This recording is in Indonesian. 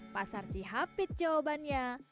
pasar cihapit jawabannya